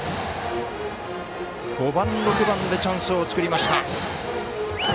５番、６番でチャンスを作りました。